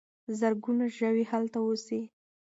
زرګونه ژوي هلته اوسي.